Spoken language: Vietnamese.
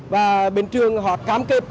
và bên trường họ cam kết